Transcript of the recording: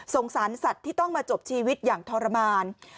สารสัตว์ที่ต้องมาจบชีวิตอย่างทรมาน